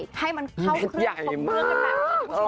ส่วนใจใสให้มันเข้าข้างนอกข้างมือกันอะไรแบบหนิ